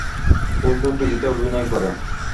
ও তো টিভিতে অভিনয় করে।